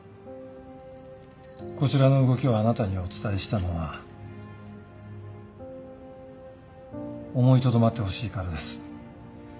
こちらの動きをあなたにお伝えしたのは思いとどまってほしいからです。